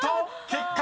［結果